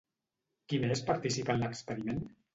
Qui més participa en l'experiment?